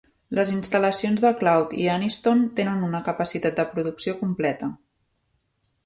Les instal·lacions de Cloud i Anniston tenen una capacitat de producció completa.